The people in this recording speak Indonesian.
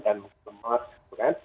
dan mungkin demas gitu kan